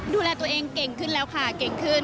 ดูแลตัวเองเก่งขึ้นแล้วค่ะเก่งขึ้น